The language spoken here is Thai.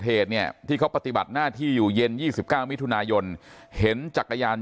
เหตุเนี่ยที่เขาปฏิบัติหน้าที่อยู่เย็น๒๙มิถุนายนเห็นจักรยาน